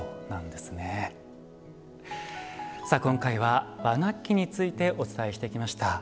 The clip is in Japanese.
さあ今回は和楽器についてお伝えしてきました。